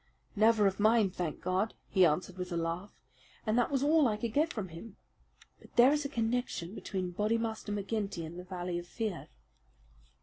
'Never of mine, thank God!' he answered with a laugh, and that was all I could get from him. But there is a connection between Bodymaster McGinty and the Valley of Fear."